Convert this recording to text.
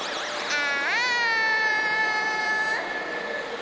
あ！